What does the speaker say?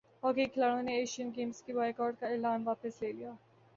hockey کےکھلاڑیوں نے Asian Games کے بائیکاٹ کا اعلان واپس لے لیا